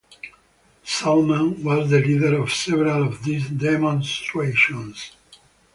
Salman was the leader of several of these demonstrations.